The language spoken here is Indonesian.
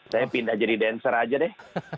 saya pindah jadi dancer aja deh